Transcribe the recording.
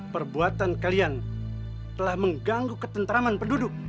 perbuatan kalian telah mengganggu ketentraman penduduk